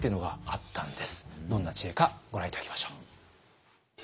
どんな知恵かご覧頂きましょう。